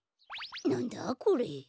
なんだこれ？